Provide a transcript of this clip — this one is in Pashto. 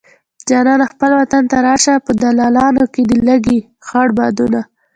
جانانه خپل وطن ته راشه په دالانونو کې دې لګي خړ بادونه